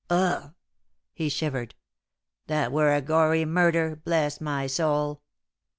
Ugh!" he shivered, "that were a gory murder, bless my soul!"